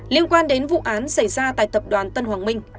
liên quan đến vụ án xảy ra tại tập đoàn tân hoàng minh